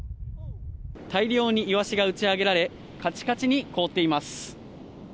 大量にイワシが打ち上げられ、かちかちに凍っています。